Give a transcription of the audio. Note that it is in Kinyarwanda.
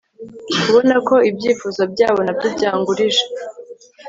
Kubona ko ibyifuzo byabo nabyo byangurije